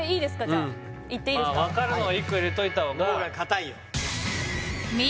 じゃあいっていいですかわかるのは１個入れといた方がのがかたいよみ